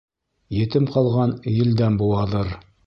Етем ҡалған елдән быуаҙыр.